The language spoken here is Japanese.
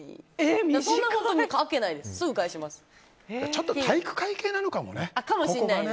ちょっと体育会系なのかもね。